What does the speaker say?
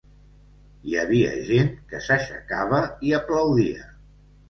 Hi havia gent que s’aixecava i aplaudia.